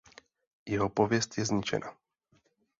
Jeho pověst je zničená.